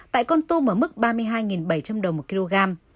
tại con tôm mức ba mươi hai bảy trăm linh đồng một kg